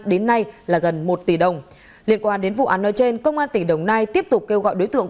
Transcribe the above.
đến nay là gần một tỷ đồng liên quan đến vụ án nói trên công an tỉnh đồng nai tiếp tục kêu gọi đối tượng